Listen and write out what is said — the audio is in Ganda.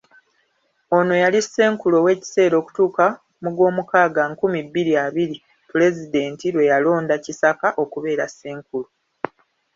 Ono yali ssenkulu ow'ekiseera okutuuka mu gw'omukaga nkumi bbiri abiri, Pulezidenti lwe yalonda Kisaka okubeera ssenkulu.